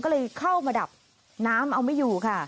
ก็เลยเข้ามาดับน้ำเอาไม่อยู่ค่ะ